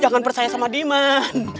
jangan percaya sama diman